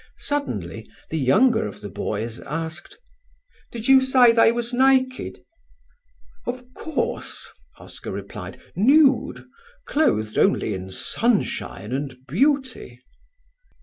Suddenly the younger of the boys asked: "Did you sy they was niked?" "Of course," Oscar replied, "nude, clothed only in sunshine and beauty."